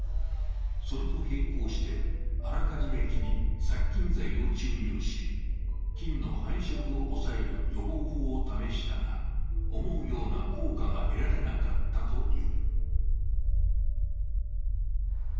それと並行して、あらかじめ木に殺菌剤を注入し、菌の繁殖を抑える予防法を試したが、思うような効果が得られなかったという。